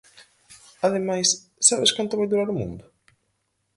Ademais, ¿sabes canto vai durar o mundo?